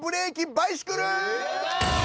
バイシクル・わあ！